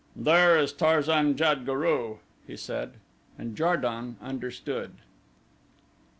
"There is Tarzan jad guru," he said, and Jar don understood.